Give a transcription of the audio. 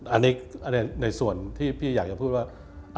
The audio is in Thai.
อันนี้ในส่วนที่พี่อยากจะพูดว่า